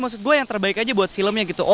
maksud gue yang terbaik aja buat filmnya gitu